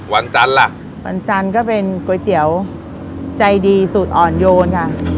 วันจันทร์ล่ะวันจันทร์ก็เป็นก๋วยเตี๋ยวใจดีสูตรอ่อนโยนค่ะ